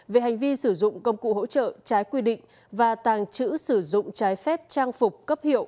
về hành vi sử dụng công cụ hỗ trợ trái quy định và tàng trữ sử dụng trái phép trang phục cấp hiệu